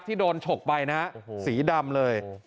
ที่โดนฉกไปนะฮะสีดำเลย